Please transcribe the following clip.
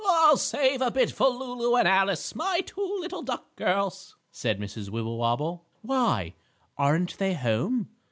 "I'll save a bit for Lulu and Alice, my two little duck girls," said Mrs. Wibblewobble. "Why, aren't they home?"